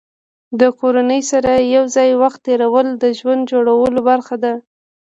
د کورنۍ سره یو ځای وخت تېرول د ژوند جوړولو برخه ده.